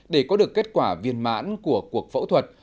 để có được kết quả viên mãn của cuộc phẫu thuật